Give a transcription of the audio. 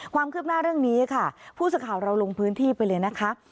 ความคืบหน้าเรื่องนี้ค่ะผู้สื่อข่าวเราลงพื้นที่ไปเลยนะคะ